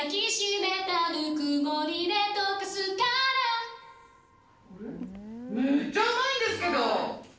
めっちゃうまいんですけど。